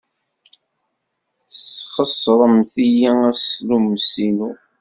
Tesxeṣremt-iyi aslummes-inu!